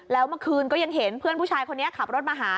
แล้วเมื่อคืนก็ยังเห็นเพื่อนผู้ชายคนนี้ขับรถมาหา